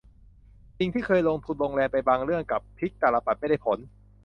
สิ่งที่เคยลงทุนลงแรงไปบางเรื่องกลับพลิกตาลปัตรไม่ได้ผล